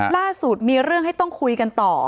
ล่าสุดมีเรื่องให้ต้องคุยกันต่อ